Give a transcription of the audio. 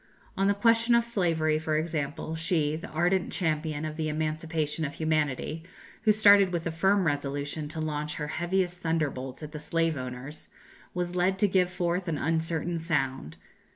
On the question of slavery, for example, she, the ardent champion of the emancipation of humanity, who started with the firm resolution to launch her heaviest thunderbolts at the slave owners, was led to give forth an uncertain sound.